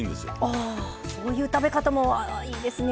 ああそういう食べ方もいいですね。